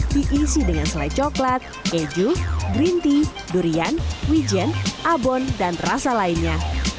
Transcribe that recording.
diisi dengan selai coklat keju green tea durian wijen abon dan rasa lainnya